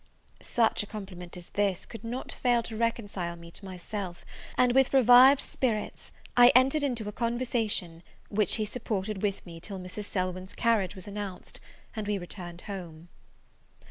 Such a compliment as this could not fail to reconcile me to myself; and with revived spirits, I entered into a conversation, which he supported with me till Mrs. Selwyn's carriage was announced; and we returned home.